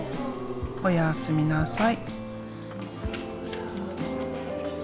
おやすみなさい。